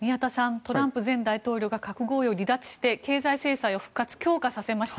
トランプ前大統領が核合意を離脱して経済制裁を復活強化させました。